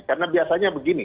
karena biasanya begini